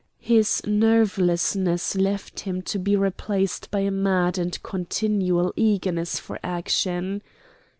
His nervelessness left him to be replaced by a mad and continual eagerness for action.